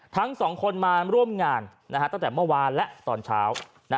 ทั้งสองคนมาร่วมงานตั้งแต่เมื่อวานและตอนเช้า